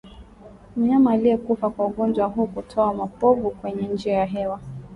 Mnyama aliyekufa kwa ugonjwa huu hutoa mapovu kwenye njia ya hewa